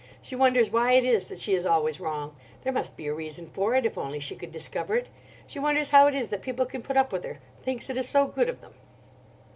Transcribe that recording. She wonders why it is that she is always wrong. There must be a reason for it; if only she could discover it. She wonders how it is that people can put up with her—thinks it so good of them.